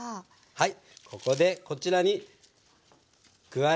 はい。